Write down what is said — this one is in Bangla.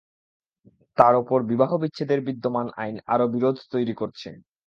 তার ওপর বিবাহবিচ্ছেদের বিদ্যমান আইন আরও বিরোধ তৈরি করছে।